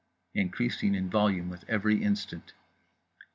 _" —increasing in volume with every instant.